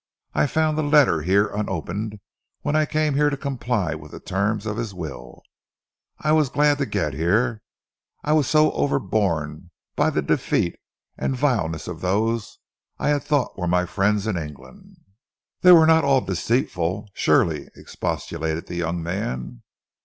I found the letter here unopened, when I came here to comply with the terms of his will. I was glad to get here. I was so overborne by the deceit and vileness of those I had thought were my friends in England!" "They were not all deceitful, surely?" expostulated the young man.